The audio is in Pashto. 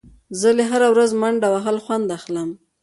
زه له هره ورځ منډه وهل خوند اخلم.